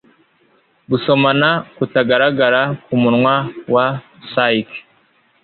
Gusomana kutagaragara kumunwa wa Psyche